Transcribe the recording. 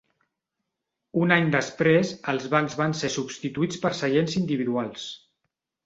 Un any després, els bancs van ser substituïts per seients individuals.